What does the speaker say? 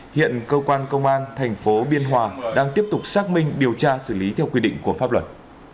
hiện cơ quan công an thành phố biên hòa đang tiếp tục xác minh điều tra xử lý theo quy định của pháp luật